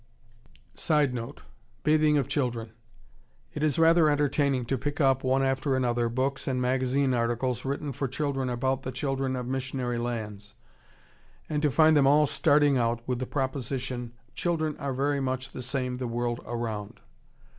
[Sidenote: Bathing of children.] It is rather entertaining to pick up, one after another, books and magazine articles written for children about the children of missionary lands, and to find them all starting out with the proposition, "Children are very much the same the world around."